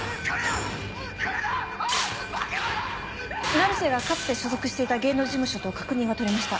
成瀬がかつて所属していた芸能事務所と確認が取れました。